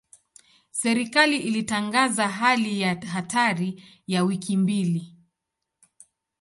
Serikali ilitangaza hali ya hatari ya wiki mbili.